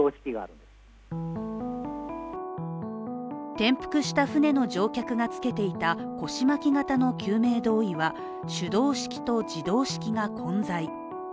転覆した舟の乗客が着けていた腰巻き型の救命胴衣は手動式と自動式が混在。